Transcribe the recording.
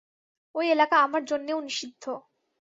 ঐ এলাকা আমার জন্যেও নিষিদ্ধ।